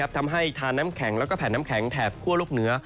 ทำให้ทานน้ำแข็งและแผ่นน้ำแข็งแถบคั่วโลกเหนือ